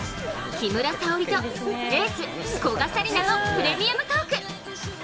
木村沙織とエース・古賀紗理那のプレミアムトーク。